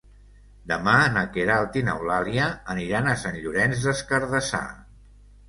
Demà na Queralt i n'Eulàlia aniran a Sant Llorenç des Cardassar.